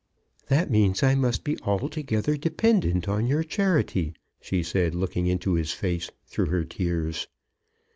"That means that I must be altogether dependent on your charity," she said, looking into his face through her tears.